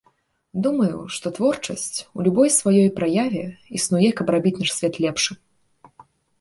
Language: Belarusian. Думаю, што творчасць у любой сваёй праяве існуе, каб рабіць наш свет лепшым.